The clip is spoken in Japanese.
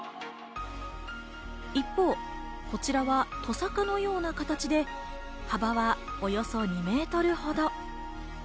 一方、こちらはとさかのような形で幅はおよそ２メートルほど。